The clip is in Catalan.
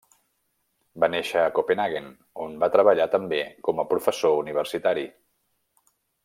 Va néixer a Copenhaguen, on va treballar també com a professor universitari.